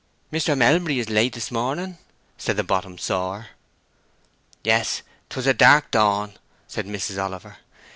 "Mr. Melbury is late this morning," said the bottom sawyer. "Yes. 'Twas a dark dawn," said Mrs. Oliver.